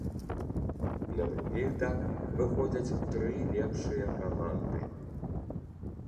На другі этап выходзяць тры лепшыя каманды.